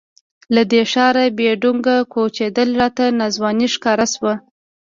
له دې ښاره بې ډونګه کوچېدل راته ناځواني ښکاره شوه.